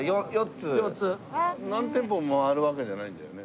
何店舗も回るわけじゃないんだよね？